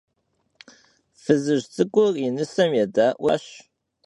Fızıj ts'ık'ur yi nısem yêda'ueri vuneişşem k'uaş.